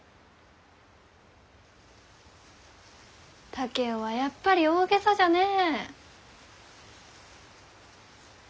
竹雄はやっぱり大げさじゃねえ。